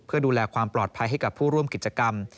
เพื่อดูแลความปลอดภัยให้กับผู้ร่วมกิจกรรม